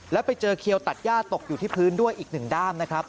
แล้วไปเจอเขียวตัดย่าตกอยู่ที่พื้นด้วยอีกหนึ่งด้ามนะครับ